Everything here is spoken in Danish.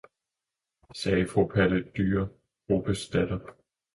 sagde fru Palle Dyre, Grubbes datter.